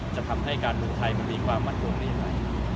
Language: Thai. จะทำให้การหนูไทยมีความมั่นกวงได้ยังไง